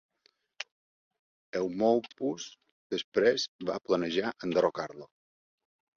Eumolpus després va planejar enderrocar-lo.